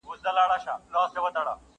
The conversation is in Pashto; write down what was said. تاسي زما كيسې ته غوږ نيسئ يارانو!!